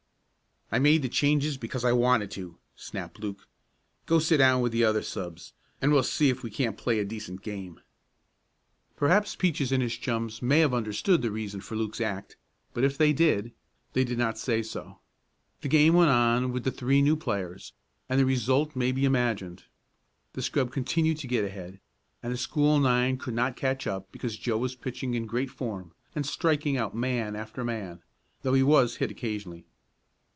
"I made the changes because I wanted to," snapped Luke. "Go sit down with the other subs, and we'll see if we can't play a decent game." Perhaps Peaches and his chums may have understood the reason for Luke's act, but if they did, they did not say so. The game went on with the three new players, and the result may be imagined. The scrub continued to get ahead, and the school nine could not catch up because Joe was pitching in great form, and striking out man after man, though he was hit occasionally.